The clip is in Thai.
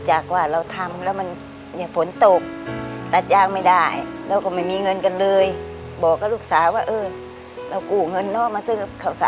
นับว่านานรึยังนะครับ